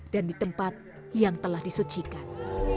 dan di tempat yang telah disucikan